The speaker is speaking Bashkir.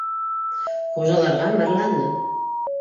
Хужаларға мырланы: